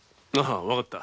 わかった。